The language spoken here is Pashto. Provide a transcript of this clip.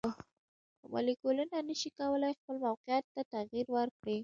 مالیکولونه نشي کولی خپل موقیعت ته تغیر ورکړي.